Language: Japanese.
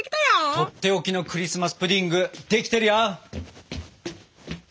とっておきのクリスマス・プディングできてるよ！